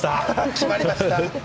決まりました。